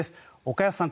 岡安さん